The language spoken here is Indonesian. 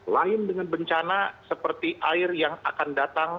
lain dengan bencana seperti air yang akan datang